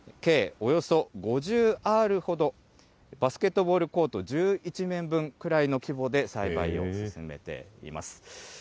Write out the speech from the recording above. およそ５０アールほど、バスケットボールコート１１面分くらいの規模で栽培を進めています。